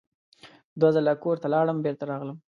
دوه ځله کور ته لاړم بېرته راغلم.